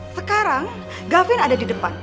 sekarang gavin ada di depan